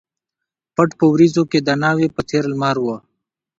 پټ په وریځو کښي د ناوي په څېر لمر و